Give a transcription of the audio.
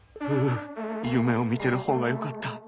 うう夢を見てるほうがよかった。